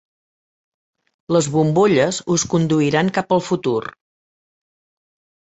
Les bombolles us conduiran cap al futur.